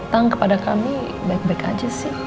karena dia sudah baik baik aja sih